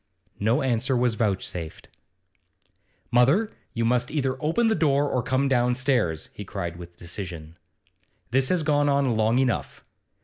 No answer was vouchsafed. 'Mother, you must either open the door or come downstairs,' he cried with decision. 'This has gone on long enough.